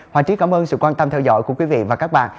hoàng trí cảm ơn sự quan tâm theo dõi của quý vị và các bạn